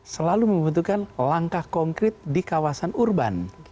selalu membutuhkan langkah konkret di kawasan urban